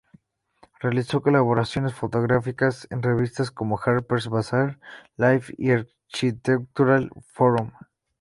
Realizó colaboraciones fotográficas en revistas como Harper's Bazaar, Life y "Architectural Forum".